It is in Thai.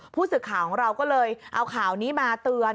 ผู้สื่อข่าวของเราก็เลยเอาข่าวนี้มาเตือน